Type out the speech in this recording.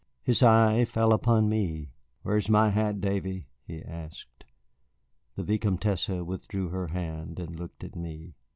His eye fell upon me. "Where is my hat, Davy?" he asked. The Vicomtesse withdrew her hand and looked at me.